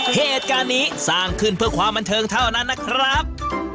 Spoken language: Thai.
เหตุการณ์นี้สร้างขึ้นเพื่อความบันเทิงเท่านั้นนะครับ